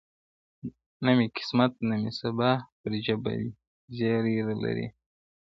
نه مي قسمت، نه مي سبا پر ژبه زېرئ لري!.